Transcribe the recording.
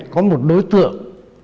có một đối tượng